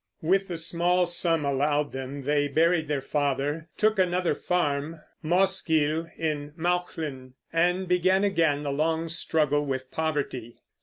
With the small sum allowed them, they buried their father, took another farm, Mossgiel, in Mauchline, and began again the long struggle with poverty.